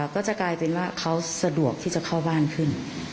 ก็จะกลายเป็นว่าเขาสะดวกที่จะเข้าบ้านขึ้น